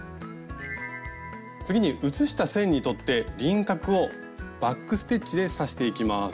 次に写した線にとって輪郭をバック・ステッチで刺していきます。